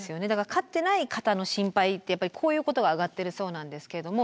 飼ってない方の心配ってやっぱりこういうことが挙がってるそうなんですけれども。